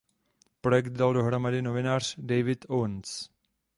Projekt dal dohromady novinář David Owens.